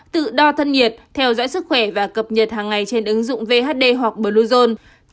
tự đo thân nhiệt theo dõi sức khỏe và cập nhật hàng ngày trên ứng dụng vhd hoặc bluezone